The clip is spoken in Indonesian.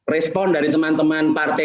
respon dari teman teman partai